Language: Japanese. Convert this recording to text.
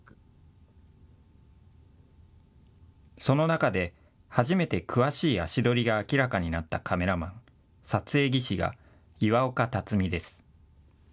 その中で初めて詳しい足取りが明らかになったカメラマン・撮影技師が岩岡巽です。